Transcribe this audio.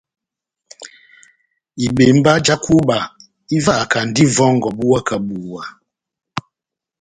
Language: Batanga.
Ibembá já kuba ivahakand'ivòngò buwa kà buwa.